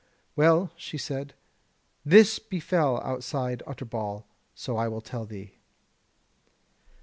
"Well," she said, "this befell outside Utterbol, so I will tell thee.